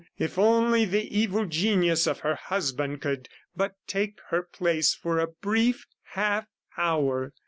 If only the evil genius of her husband could but take her place for a brief half hour!